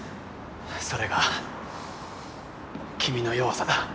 それが君の弱さだ